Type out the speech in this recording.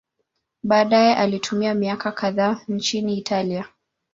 Baadaye alitumia miaka kadhaa nchini Italia.